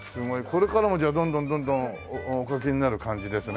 これからもじゃあどんどんどんどんお描きになる感じですね？